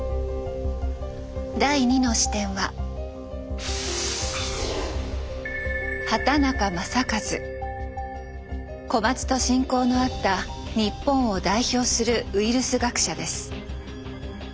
第２の視点は小松と親交のあった日本を代表するウイルス学者です。